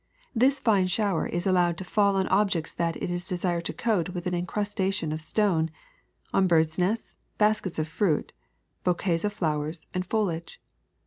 This fine shower is allowed to fall on objects that it is desired to coat with an in crustation of stone — on birds ' nests, baskets of fruit, bouquets of flowers, and foliage.